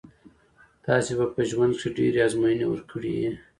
تاسي به په ژوند کښي ډېري آزمویني ورکړي يي.